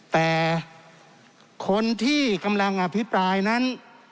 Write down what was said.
แต่คนที่กำลังอภิปรายนั้น